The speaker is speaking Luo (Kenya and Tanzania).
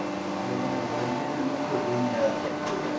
Jogo onego obed gi chuny mokuwe, giyier e